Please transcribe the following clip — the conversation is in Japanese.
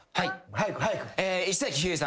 早く早く。